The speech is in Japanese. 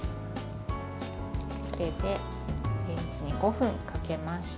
これで、レンジで５分かけました。